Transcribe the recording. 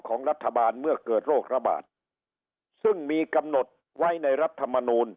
ของรัฐบาลเมื่อเกิดโรคระบาดซึ่งมีกำหนดไว้ในรัฐมนูล